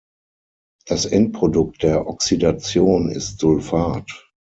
Das Endprodukt der Oxidation ist Sulfat.